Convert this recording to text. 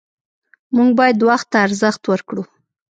موږ باید وخت ته ارزښت ورکړو